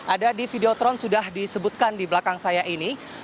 ada di videotron sudah disebutkan di belakang saya ini